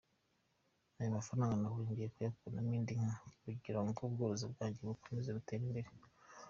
Aya mafaranga nabonye ngiye kuyaguramo indi nka kugira ngo ubworozi bwanjye bukomeze butere imbere.